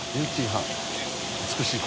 美しい心。